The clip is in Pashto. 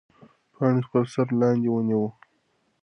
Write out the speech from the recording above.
پاڼې خپل سر لاندې ونیوه.